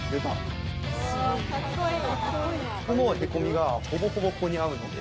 このへこみがほぼほぼここに合うので。